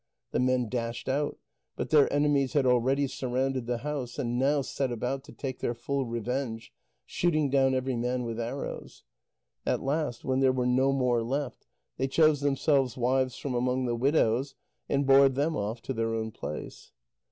The men dashed out, but their enemies had already surrounded the house, and now set about to take their full revenge, shooting down every man with arrows. At last, when there were no more left, they chose themselves wives from among the widows, and bore them off to their own place.